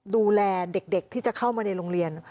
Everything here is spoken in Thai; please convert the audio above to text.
ดูแลเด็กที่จะเข้ามาในโรงเรียน